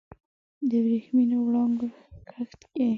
د وریښمېو وړانګو کښت کې